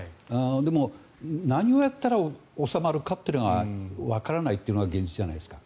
でも、何をやったら収まるかってことがわからないというのが現実じゃないですか。